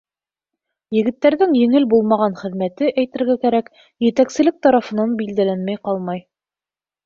Егеттәрҙең еңел булмаған хеҙмәте, әйтергә кәрәк, етәкселек тарафынан билдәләнмәй ҡалмай.